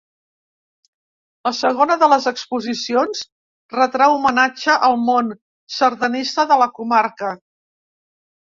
La segona de les exposicions retrà homenatge al món sardanista de la comarca.